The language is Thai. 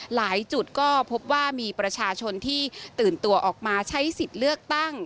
หลายจุดก็พบว่ามีประชาชนที่ตื่นตัวออกมาใช้สิทธิ์เลือกตั้ง